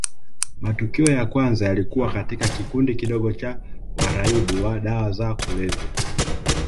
Matukio ya kwanza yalikuwa katika kikundi kidogo cha waraibu wa dawa za kulevya